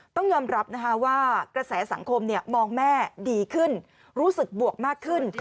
ต้องยอมรับนะคะว่ากระแสสังคมมองแม่ดีขึ้นรู้สึกบวกมากขึ้น